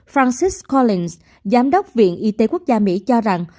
francis collins giám đốc viện y tế quốc gia mỹ cho rằng